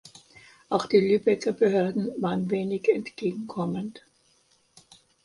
Auch die Lübecker Behörden waren wenig entgegenkommend.